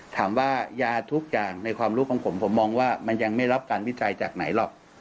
ถามว่ายาทุกอย่างในความรู้ของผมผมมองว่ามันยังไม่รับการวิจัยจากไหนหรอก